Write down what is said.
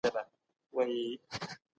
د ښځو حقونه باید په ټولنه کي مراعات سي.